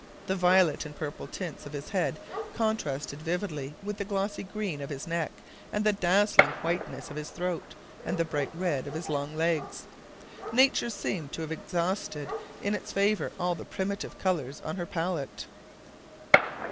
The violet and purple tints of his head contrasted vividly with the glossy green of his neck, and the dazzling whiteness of his throat, and the bright red of his long legs. Nature seems to have exhausted in its favor all the primitive colors on her palette.